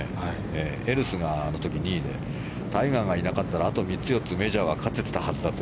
エルスがあの時２位でタイガーがいなかったらあと３つ、４つメジャーを勝ててたと。